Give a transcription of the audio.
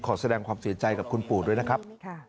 แสดงความเสียใจกับคุณปู่ด้วยนะครับ